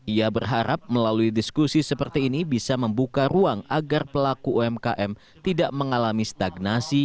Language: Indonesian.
ia berharap melalui diskusi seperti ini bisa membuka ruang agar pelaku umkm tidak mengalami stagnasi